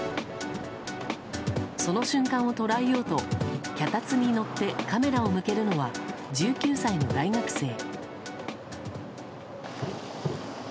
その瞬間を捉えようと脚立に乗ってカメラを向けるのは１９歳の大学生。